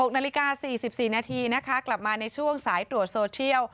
๖นาฬิกา๔๔นาทีนะคะกลับมาในช่วงสายตรวจโซเทียล